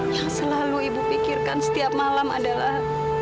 yang selalu ibu pikirkan setiap malam adalah